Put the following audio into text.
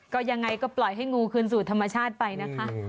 ก็ยังไงก็ปล่อยให้งูคืนสู่ธรรมชาติไปนะคะ